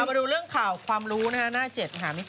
เอามาดูเรื่องข่าวความรู้นะฮะหน้า๗หาไม่เจอ